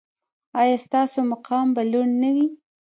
ایا ستاسو مقام به لوړ نه وي؟